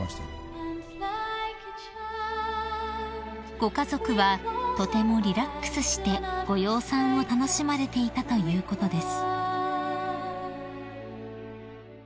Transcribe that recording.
［ご家族はとてもリラックスしてご養蚕を楽しまれていたということです］